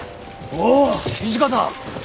おぉ土方！